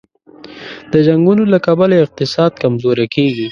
د جنګونو له کبله اقتصاد کمزوری کېږي.